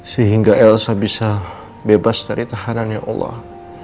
sehingga elsa bisa bebas dari tahanan ya allah